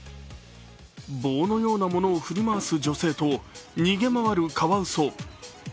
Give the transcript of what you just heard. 棒のようなものを振り回す女性と逃げ回るカワウソ。